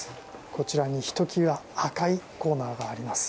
こちらに、ひと際赤いコーナーがあります。